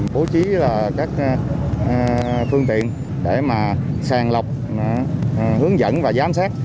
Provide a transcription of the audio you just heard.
bố trí các phương tiện để mà sàng lọc hướng dẫn và giám sát